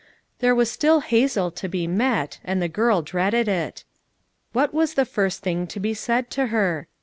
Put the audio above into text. There was still Hazel to be met, and the girl dreaded it; what was the first thing to be said to her?